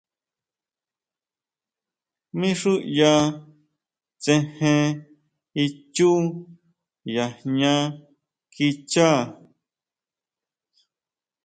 Mí xú ʼya tsejen ichú ya jña kichá.